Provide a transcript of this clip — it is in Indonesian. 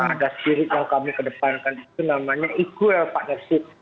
ada spirit yang kami kedepankan itu namanya equal partnership